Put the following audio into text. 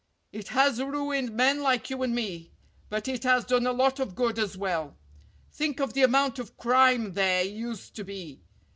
It has ruined men like you and me. But it has done a lot of good as well. Think of the amount of crime there used to be.